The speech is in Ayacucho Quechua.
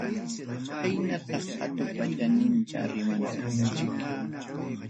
Chaynatam qhatupa chaninta rimanakunchik.